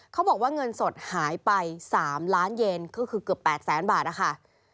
เขาบอกว่าเงินสดหายไป๓ล้านเยนก็คือเกือบ๘แสนบาทนะคะ